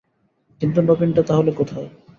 কিন্তু নবীনটা তা হলে কোথায়?